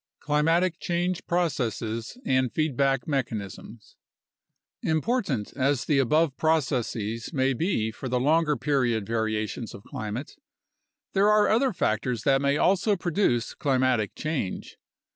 Climatic Change Processes and Feedback Mechanisms Important as the above processes may be for the longer period varia tions of climate, there are other factors that may also produce climatic change.